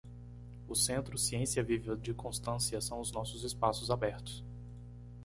o Centro Ciência Viva de Constância são os nossos espaços abertos.